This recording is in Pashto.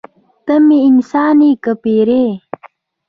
ته مې انسان یې که پیری.